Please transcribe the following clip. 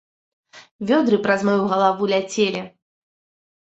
Вёдры праз маю галаву ляцелі!